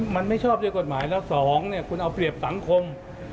มันไม่ชอบด้วยกฎหมายแล้วสองเนี่ยคุณเอาเปรียบสังคม